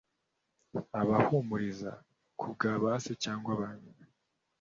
Abahumuriza ku bwa ba se cyangwa ba nyina.